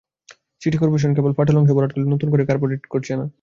City corporation কেবল ফাটল অংশ ভরাট করলেও নতুন করে কার্পেটিং করছে না।